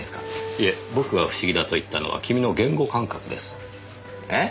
いえ僕が不思議だと言ったのは君の言語感覚です。え？